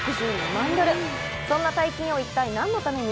そんな大金を一体何のために？